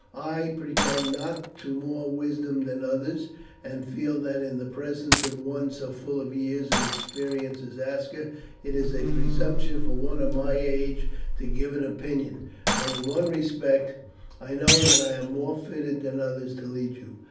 I pretend not to more wisdom than others, and feel that in the presence of one so full of years and experience as Aska it is a presumption for one of my age to give an opinion; but in one respect I know that I am more fitted than others to lead you.